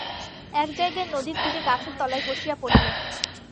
এক জায়গায় নদীর তীরে গাছের তলায় বসিয়া পড়িলেন।